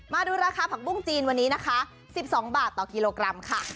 มาดูราคาผักบุ้งจีนวันนี้นะคะ๑๒บาทต่อกิโลกรัมค่ะ